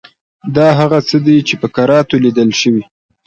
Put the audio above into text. دا هغه څه دي چې په کراتو لیدل شوي.